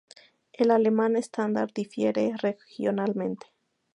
El alemán estándar difiere regionalmente.